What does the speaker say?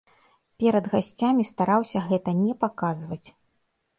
Перад гасцямі стараўся гэта не паказваць.